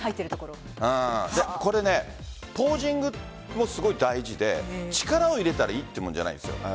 これポージングもすごく大事で力を入れたらいいっていうもんじゃないんです。